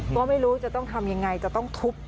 ก็ไม่รู้จะต้องทำยังไงจะต้องทุบ